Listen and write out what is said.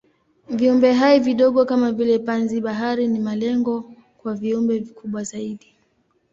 Viumbehai vidogo kama vile panzi-bahari ni malengo kwa viumbe vikubwa zaidi.